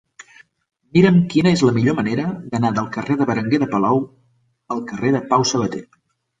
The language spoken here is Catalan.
Mira'm quina és la millor manera d'anar del carrer de Berenguer de Palou al carrer de Pau Sabater.